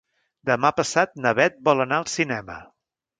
Demà passat na Bet vol anar al cinema.